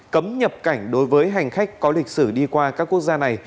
cấm nhập cảnh đối với hành khách có lịch sử đi qua các quốc gia này